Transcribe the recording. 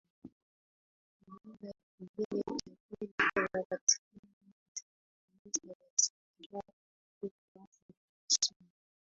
Kinanda kingine cha kale kinapatikana katika kanisa la Saint George huko Afrika Kusini